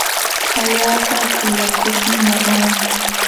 allaapa kuyakuqmi nanaa.